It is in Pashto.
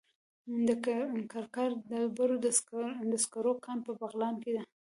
د کرکر د ډبرو سکرو کان په بغلان کې دی.